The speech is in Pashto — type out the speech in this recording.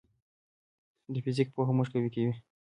د فزیک پوهه موږ قوي کوي.